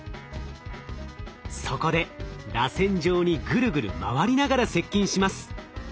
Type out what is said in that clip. そこでらせん状にぐるぐる回りながら接近します。